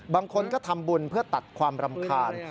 บางคนก็ทำบุญเพื่อตัดความรำคาญ